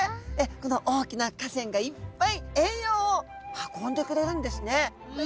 この大きな河川がいっぱい栄養を運んでくれるんですね。